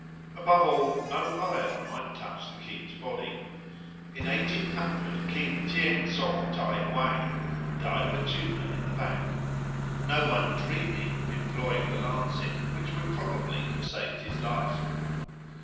Above all, no iron might touch the king's body. In 1800 King Tieng tsong tai oang died of a tumour in the back, no one dreaming of employing the lancet, which would probably have saved his life.